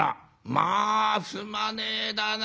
まあすまねえだな。